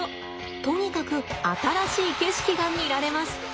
とにかく新しい景色が見られます。